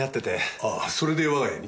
ああそれで我が家に？